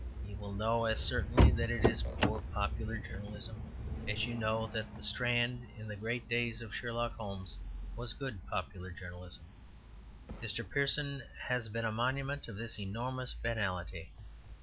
You will know as certainly that it is poor popular journalism as you know that the Strand, in the great days of Sherlock Holmes, was good popular journalism. Mr. Pearson has been a monument of this enormous banality.